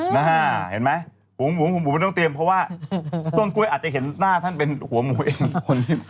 นะฮะเห็นไหมต้องเตรียมเพราะว่าต้นกล้วยอาจจะเห็นหน้าท่านเป็นหัวหมูเอง